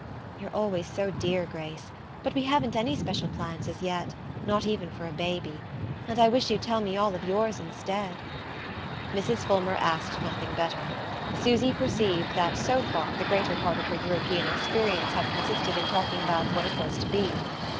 "You're always so dear, Grace. But we haven't any special plans as yet not even for a baby. And I wish you'd tell me all of yours instead." Mrs. Fulmer asked nothing better: Susy perceived that, so far, the greater part of her European experience had consisted in talking about what it was to be.